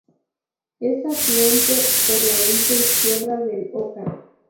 Es afluente por la orilla izquierda del Oká.